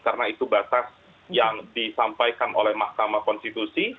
karena itu batas yang disampaikan oleh mahkamah konstitusi